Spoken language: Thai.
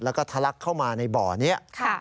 แล้วก็ทะลักเข้ามาในบ่อนี้